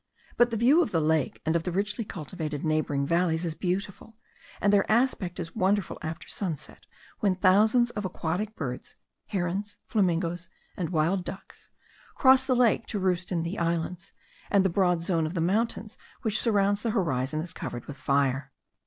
But the view of the lake and of the richly cultivated neighbouring valleys is beautiful, and their aspect is wonderful after sunset, when thousands of aquatic birds, herons, flamingoes, and wild ducks cross the lake to roost in the islands, and the broad zone of mountains which surrounds the horizon is covered with fire.